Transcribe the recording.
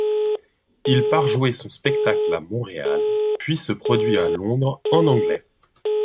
Il part jouer son spectacle à Montréal, puis se produit à Londres en anglais.